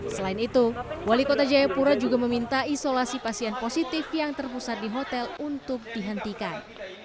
selain itu wali kota jayapura juga meminta isolasi pasien positif yang terpusat di hotel untuk dihentikan